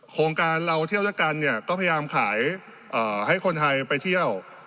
โครงการเราเที่ยวด้วยกันเนี่ยก็พยายามขายให้คนไทยไปเที่ยว